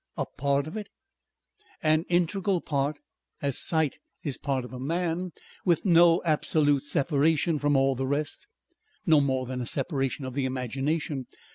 "A part of it." "An integral part as sight is part of a man... with no absolute separation from all the rest no more than a separation of the imagination.